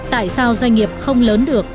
tại sao doanh nghiệp không lớn được